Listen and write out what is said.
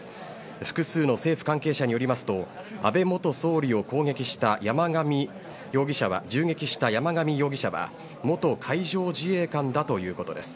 複数の政府関係者によりますと安倍元総理を銃撃した山上容疑者は元海上自衛官だということです。